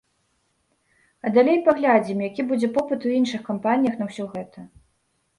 А далей паглядзім, які будзе попыт у іншых кампаніях на ўсё гэта.